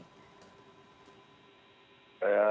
ya kalau yang memastikan ini tidak terulang lagi